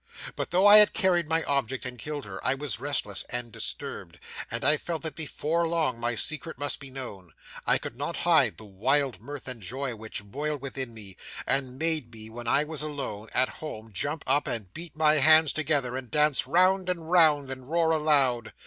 'But though I had carried my object and killed her, I was restless and disturbed, and I felt that before long my secret must be known. I could not hide the wild mirth and joy which boiled within me, and made me when I was alone, at home, jump up and beat my hands together, and dance round and round, and roar aloud.